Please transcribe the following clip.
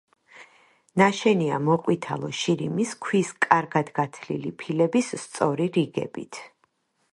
ნაშენია მოყვითალო შირიმის ქვის კარგად გათლილი ფილების სწორი რიგებით.